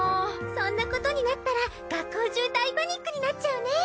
そんなことになったら学校中大パニックになっちゃうね。